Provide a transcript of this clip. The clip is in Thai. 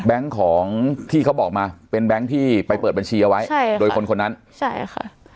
แบงค์ของที่เค้าบอกมาเป็นแบงค์ที่ไปเปิดบัญชีเอาไว้โดยคนนั้นใช่ค่ะ